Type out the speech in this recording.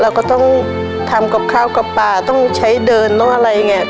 เราก็ต้องทำกับข้าวกับป่าต้องใช้เดินต้องอะไรอย่างนี้